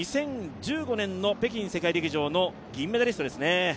２０１５年の北京世界陸上の銀メダリストです。